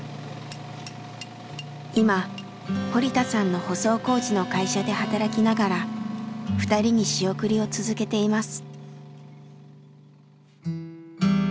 今堀田さんの舗装工事の会社で働きながら２人に仕送りを続けています。